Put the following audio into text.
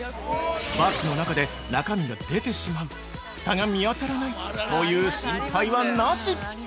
バッグの中で中身が出てしまうふたが見当たらないという心配はなし！